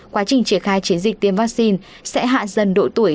quá trình triển khai chiến dịch tiêm vaccine sẽ hạ dần độ tuổi